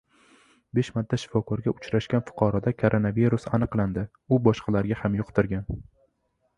Besh marta shifokorga uchrashgan fuqaroda koronavirus aniqlandi. U boshqalarga ham yuqtirgan